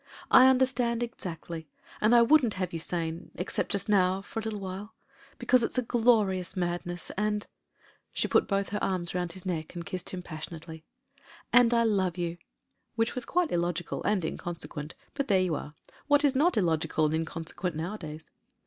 "I understand exactly. And I wouldn't have you sane, except just now for a little while. Because it's a glorious madness, and" — she put both her arms round his neck and kissed him passionately — ^'and I love you." Which was quite illogical and inconsequent — ^but there you are. What is not illogical and inconsequent nowadays?